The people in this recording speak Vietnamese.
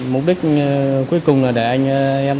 mục đích cuối cùng là để anh em